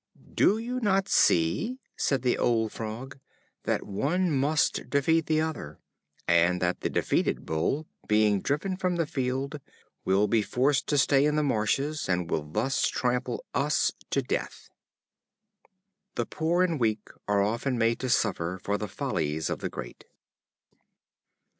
"Do you not see," said the old Frog, "that one must defeat the other, and that the defeated Bull, being driven from the field, will be forced to stay in the marshes, and will thus trample us to death?" The poor and weak are often made to suffer for the follies of the great.